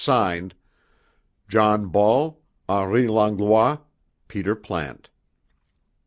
Signed, "JOHN BALL, HENRI LANGLOIS, PETER PLANTE."